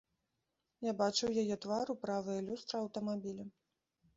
Я бачыў яе твар у правае люстра аўтамабіля.